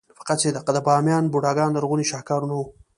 د بامیان بوداګان لرغوني شاهکارونه وو